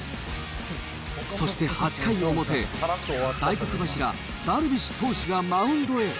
そして８回表、大黒柱、ダルビッシュ投手がマウンドへ。